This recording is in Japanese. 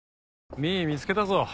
美依見つけたぞ。